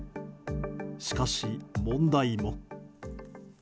しかし、問題も。